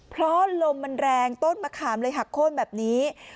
เพราะลมมันแรงต้นมะขามเลยหักโค้นแบบนี้